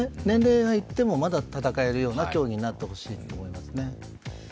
年齢がいってもまだ戦えるような競技になってほしいと思います。